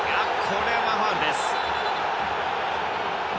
これはファウルです。